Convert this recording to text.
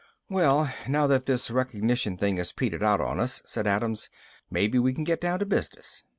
"Well, now that this recognition thing has petered out on us," said Adams, "maybe we can get down to business."